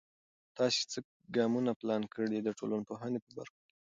تاسې څه ګامونه پلان کړئ د ټولنپوهنې په برخه کې؟